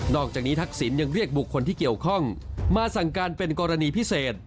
อกจากนี้ทักษิณยังเรียกบุคคลที่เกี่ยวข้องมาสั่งการเป็นกรณีพิเศษ